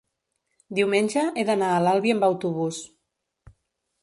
diumenge he d'anar a l'Albi amb autobús.